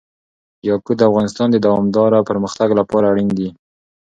یاقوت د افغانستان د دوامداره پرمختګ لپاره اړین دي.